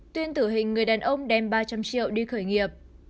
tuyên tử hình người đàn ông đem ba trăm linh triệu đi khởi nghiệp